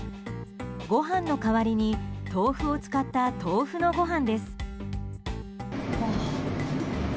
ご飯の代わりに豆腐を使った豆腐のごはんです。